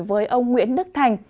với ông nguyễn đức thành